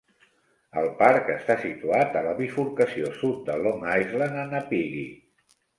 El parc està situat a la bifurcació sud de Long Island a Napeague.